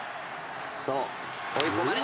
そう追い込まれて。